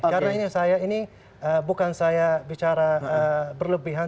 karena ini saya ini bukan saya bicara berlebihan